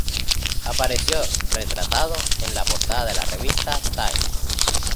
Apareció retratado en la portada de la revista "Time".